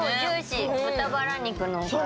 豚バラ肉のおかげ。